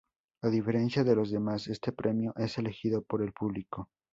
A diferencia de los demás, este premio es elegido por el público.